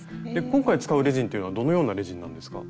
今回使うレジンというのはどのようなレジンなんですか？